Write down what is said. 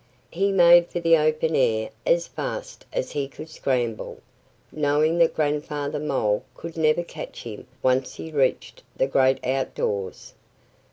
He made for the open air as fast as he could scramble, knowing that Grandfather Mole could never catch him once he reached the great out of doors.